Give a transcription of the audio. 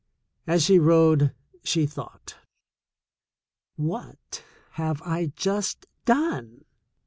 As she rode, she thought. *'What have I just done?